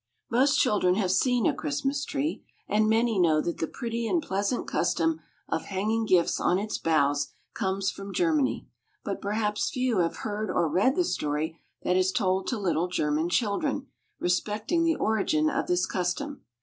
Most children have seen a Christmas tree, and many know that the pretty and pleasant custom of hanging gifts on its boughs comes from Germany; but perhaps few have heard or read the story that is told to little German children, respecting the origin of this custom.